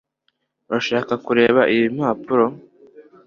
Urashaka kureba iyi mpapuro?